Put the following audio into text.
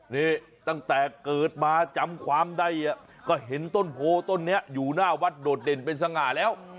นี่ตั้งแต่เกิดมาจำความได้ก็เห็นต้นโพต้นนี้อยู่หน้าวัดโดดเด่นเป็นสง่าแล้ว